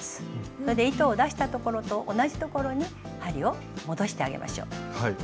それで糸を出したところと同じところに針を戻してあげましょう。